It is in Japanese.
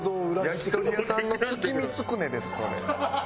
焼き鳥屋さんの月見つくねですそれ。